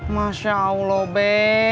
masya allah be